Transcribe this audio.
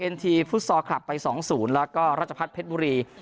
เอ็นทีฟุตซอร์คลับไปสองศูนย์แล้วก็ราชพัฒน์เพชรบุรี